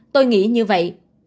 tôi nghĩ như vậy